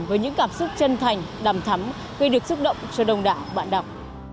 với những cảm xúc chân thành đầm thắm gây được xúc động cho đông đảo bạn đọc